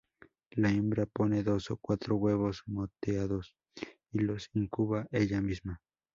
La hembra pone dos a cuatro huevos moteados y los incuba ella misma.